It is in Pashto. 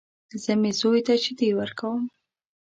زه مې زوی ته شيدې ورکوم.